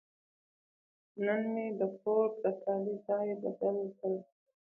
نن مې د کور د کالي ځای بدل کړ.